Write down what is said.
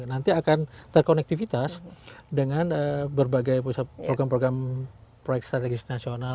nanti akan terkonektivitas dengan berbagai program program proyek strategis nasional